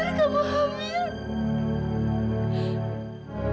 jangan berpikir pikir sih